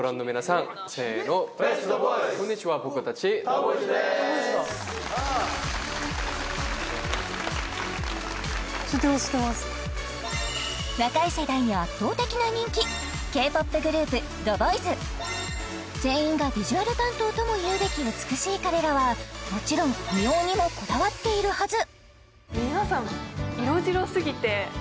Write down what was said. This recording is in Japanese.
こんにちは若い世代に圧倒的な人気Ｋ−ＰＯＰグループＴＨＥＢＯＹＺ全員がビジュアル担当ともいうべき美しい彼らはもちろん美容にもこだわっているはず